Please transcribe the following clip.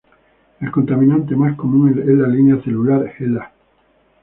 El contaminante más común es la línea celular HeLa.